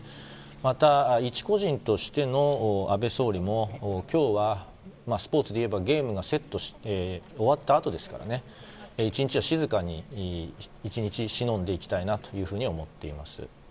また、一個人としての安倍総理も今日は、スポーツでいえばゲームが終わったあとですから静かに１日しのんでいきたいなと思っています。